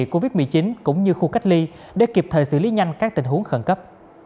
cảnh sát phòng cháy chữa cháy cũng như khu cách ly để kịp thời xử lý nhanh các tình huống khẩn cấp